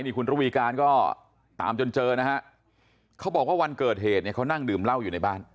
คุณระวีการก็ตามจนเจอนะฮะเขาบอกว่าวันเกิดเหตุเนี่ยเขานั่งดื่มเหล้าอยู่ในบ้าน